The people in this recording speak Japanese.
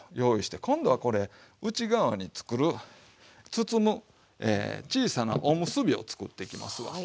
今度はこれ内側に作る包む小さなおむすびを作っていきますわ。